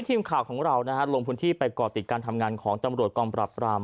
ทีมข่าวของเราลงพื้นที่ไปก่อติดการทำงานของตำรวจกองปรับปราม